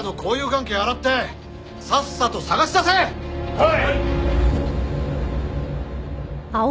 はい！